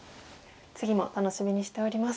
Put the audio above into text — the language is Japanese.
次も楽しみにしております。